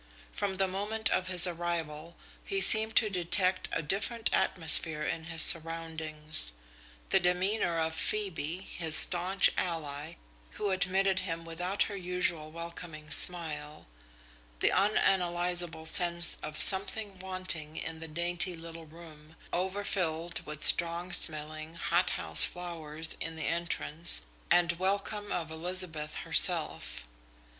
From the moment of his arrival, he seemed to detect a different atmosphere in his surroundings, the demeanour of Phoebe, his staunch ally, who admitted him without her usual welcoming smile; the unanalysable sense of something wanting in the dainty little room, overfilled with strong smelling, hothouse flowers in the entrance and welcome of Elizabeth herself.